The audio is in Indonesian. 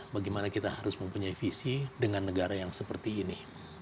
bagaimana kita harus mempunyai visi dengan negara yang seperti ini